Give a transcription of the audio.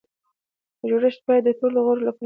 دا جوړښت باید د ټولو غړو لپاره وي.